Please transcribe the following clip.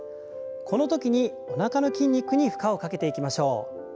このときにおなかの筋肉に負荷をかけていきましょう。